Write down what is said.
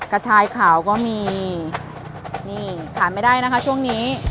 กระชายขาวก็มีนี่ทานไม่ได้นะคะช่วงนี้